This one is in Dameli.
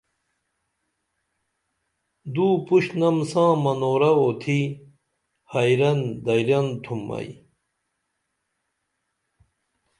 دو پُشنم ساں منورہ اوتھی حئرن دئرن تُھم ائی